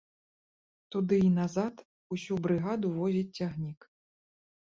Туды і назад усю брыгаду возіць цягнік.